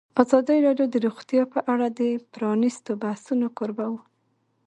ازادي راډیو د روغتیا په اړه د پرانیستو بحثونو کوربه وه.